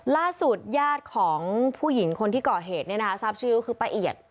ล่าสุดญาติของผู้หญิงคนที่เกาะเหตุที่ชื่อป้าเอียด